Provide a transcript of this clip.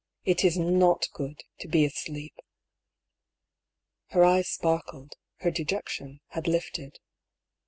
It is not good, to be asleep !" Her eyes sparkled ; her dejection had lifted.